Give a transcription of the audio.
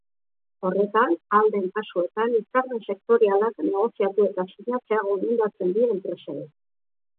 Horretan, ahal den kasuetan hitzarmen sektorialak negoziatu eta sinatzea gomendatzen die enpresei.